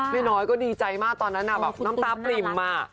น้อยก็ดีใจมากตอนนั้นแบบน้ำตาปริ่ม